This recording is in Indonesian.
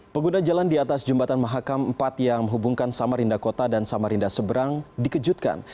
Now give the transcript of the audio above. pengguna jalan di atas jembatan mahakam empat yang menghubungkan samarinda kota dan samarinda seberang dikejutkan